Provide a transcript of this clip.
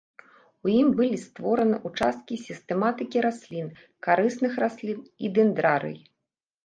У ім былі створаны ўчасткі сістэматыкі раслін, карысных раслін і дэндрарый.